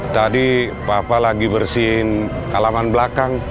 tadi papa lagi bersihin halaman belakang